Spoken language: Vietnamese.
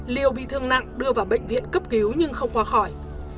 liều bị thương nặng đưa vào bệnh viện cấp cứu nhưng không qua khỏi